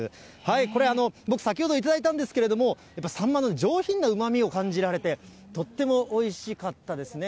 これ、僕先ほど頂いたんですけれども、やっぱりサンマの上品なうまみを感じられて、とってもおいしかったですね。